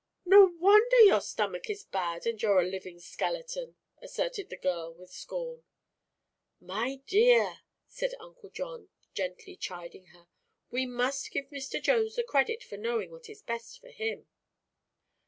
"No wonder your stomach is bad and you're a living skeleton!" asserted the girl, with scorn. "My dear," said Uncle John, gently chiding her, "we must give Mr. Jones the credit for knowing what is best for him."